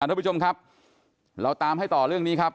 ทุกผู้ชมครับเราตามให้ต่อเรื่องนี้ครับ